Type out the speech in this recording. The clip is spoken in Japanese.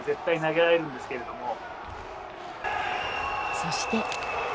そして。